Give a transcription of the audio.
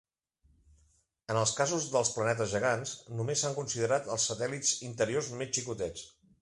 En els casos dels planetes gegants, només s'han considerat els satèl·lits interiors més xicotets.